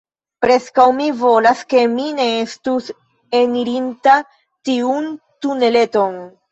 Preskaŭ mi volas ke mi ne estus enirinta tiun tuneleton.